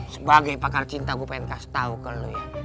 sebagai pakar cinta gue pengen kasih tau ke lu ya